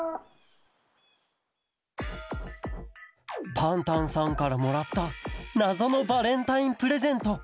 パンタンさんからもらったなぞのバレンタインプレゼント。